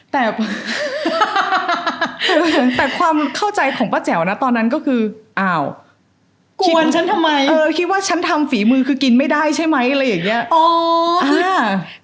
แต่ความเข้าใจของป้าแจ๋วนะตอนนั้นก็คืออ้าวคิดว่าฉันทำฝีมือคือกินไม่ได้ใช่ไหมอะไรอย่างเงี้ย